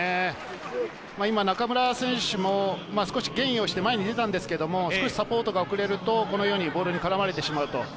今、中村選手も少しゲインをして前に出たんですけど、サポートが遅れると、ボールに絡まれてしまう。